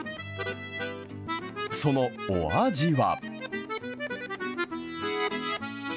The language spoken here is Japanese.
そのお味は。